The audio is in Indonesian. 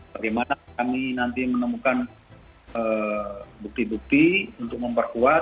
bagaimana kami nanti menemukan bukti bukti untuk memperkuat